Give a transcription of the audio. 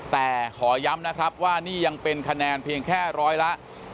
แต่ขอย้ำนะครับว่านี่ยังเป็นคะแนนเพียงแค่ร้อยละ